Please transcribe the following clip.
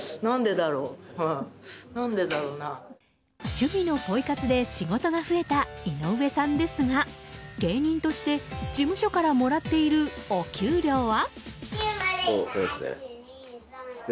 趣味のポイ活で仕事が増えた井上さんですが芸人として事務所からもらっている、お給料は？